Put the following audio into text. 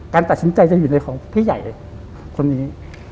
ตัดสินใจจะอยู่ในของพี่ใหญ่คนนี้